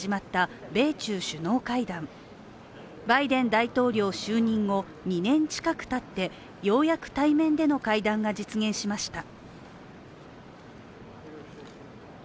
大統領就任後、２年近くたってようやく対面での会談が実現しました。